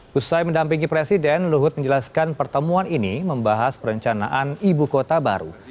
setelah mendampingi presiden luhut menjelaskan pertemuan ini membahas perencanaan ibu kota baru